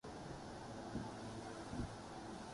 میں آپ کے لئے کام نہیں کرتا۔